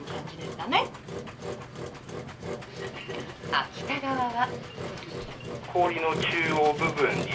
秋田側は。